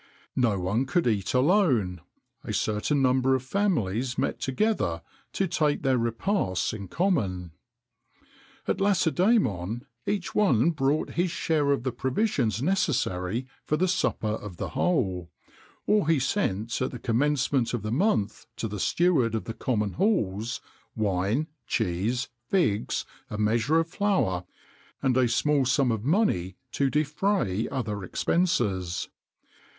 No one could eat alone; a certain number of families met together to take their repasts in common.[XXIX 82] At Lacedæmon, each one brought his share of the provisions necessary for the supper of the whole;[XXIX 83] or he sent at the commencement of the month to the steward of the common halls, wine, cheese, figs, a measure of flour, and a small sum of money to defray other expenses.